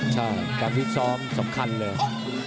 ใช่การฟิตซ้อมสำคัญเลย